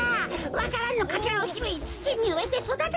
わか蘭のかけらをひろいつちにうえてそだてたんだってか！